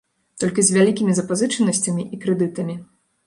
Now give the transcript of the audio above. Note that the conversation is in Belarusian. Толькі з вялікімі запазычанасцямі і крэдытамі.